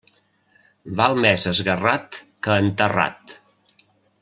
Val més esgarrat que enterrat.